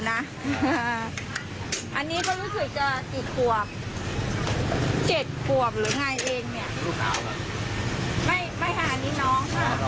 เราจะช่วยกันค่ะพี่น้อง